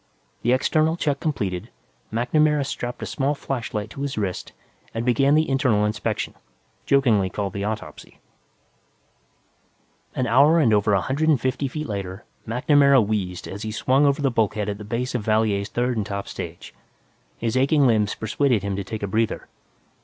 The external check completed, MacNamara strapped a small flashlight to his wrist and began the internal inspection, jokingly called the autopsy. An hour and over a hundred and fifty feet later, MacNamara wheezed as he swung over the bulkhead at the base of Valier's third and top stage. His aching limbs persuaded him to take a breather.